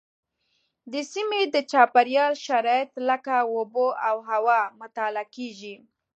د سیمې د چاپیریال شرایط لکه اوبه او هوا مطالعه کېږي.